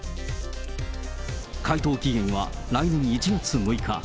回答期限は来年１月６日。